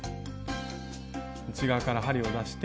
内側から針を出して。